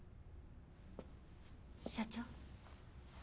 社長。